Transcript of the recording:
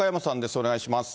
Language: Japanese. お願いします。